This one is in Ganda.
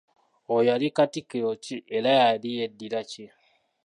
Oyo yali Katikkiro ki era yali yeddira ki?